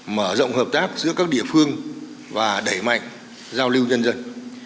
mở rộng hợp tác giữa các địa phương và đẩy mạnh giao lưu nhân dân